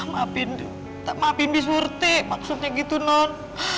maafin maafin di surty maksudnya gitu non